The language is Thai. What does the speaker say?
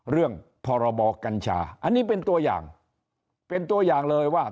พรบกัญชาอันนี้เป็นตัวอย่างเป็นตัวอย่างเลยว่า